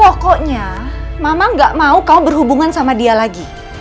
pokoknya mama gak mau kamu berhubungan sama dia lagi